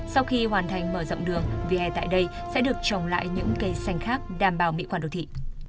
sau khi hoàn thành mở rộng đường ve tại đây sẽ được trồng lại những cây xanh khác đảm bảo mỹ quản đồ thị